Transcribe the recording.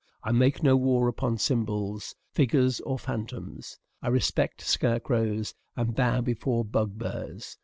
I make no war upon symbols, figures, or phantoms. I respect scarecrows, and bow before bugbears.